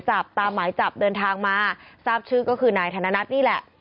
กลับมาปุ๊บตำรวจรอปั๊บเลยค่ะ